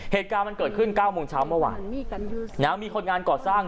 เหตุการณ์มันเกิดขึ้น๙โมงเช้าเมื่อวานมีคนงานก่อสร้าง